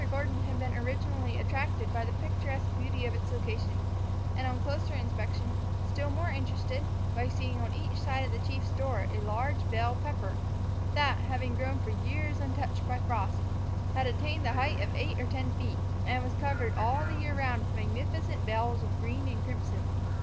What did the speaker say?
Gordon had been originally attracted by the picturesque beauty of its location, and, on closer inspection, still more interested by seeing on each side of the chief's door a large bell pepper, that, having grown for years untouched by frost, had attained the height of eight or ten feet, and was covered all the year round with magnificent bells of green and crimson.